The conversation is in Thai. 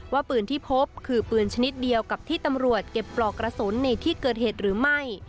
ว่าปืนที่พบคือปืนชนิดเดียวกับที่ตำรวจเก็บปลอกกระสุนในที่เกิดเหตุหรือไม่